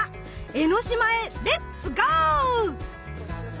江の島へレッツ・ゴー！